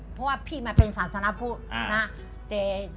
เพราะว่าพี่มาเป็นศาสนพุทธนะ